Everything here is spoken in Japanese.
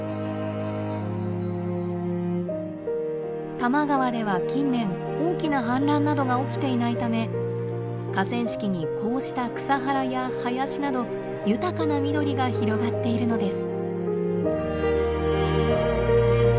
多摩川では近年大きな氾濫などが起きていないため河川敷にこうした草原や林など豊かな緑が広がっているのです。